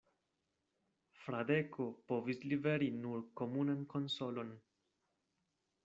Fradeko povis liveri nur komunan konsolon.